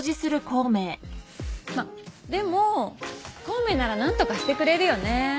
まっでも孔明なら何とかしてくれるよね。